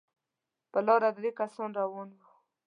پر لاره درې کسه روان وو.